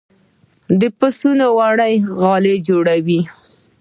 د پسونو وړۍ غالۍ جوړوي